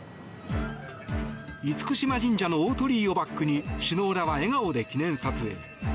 厳島神社の大鳥居をバックに首脳らは笑顔で記念撮影。